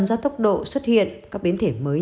do tốc độ xuất hiện các biến thể mới